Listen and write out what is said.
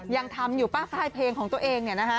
ยังทำอยู่ป้ายเพลงของตัวเอง